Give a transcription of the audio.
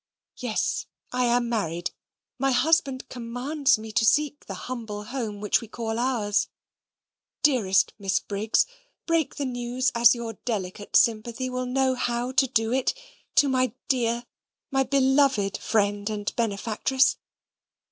Yes, I am married. My husband COMMANDS me to seek the HUMBLE HOME which we call ours. Dearest Miss Briggs, break the news as your delicate sympathy will know how to do it to my dear, my beloved friend and benefactress.